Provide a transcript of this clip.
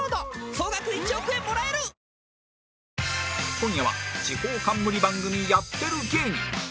今夜は地方冠番組やってる芸人